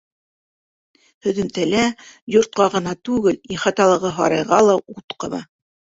Һөҙөмтәлә, йортҡа ғына түгел, ихаталағы һарайға ла ут ҡаба.